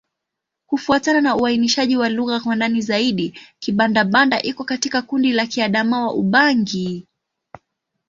Kufuatana na uainishaji wa lugha kwa ndani zaidi, Kibanda-Banda iko katika kundi la Kiadamawa-Ubangi.